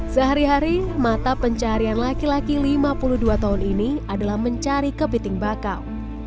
sehari hari mata pencarian laki laki lima puluh dua tahun ini adalah mencari kepiting bakau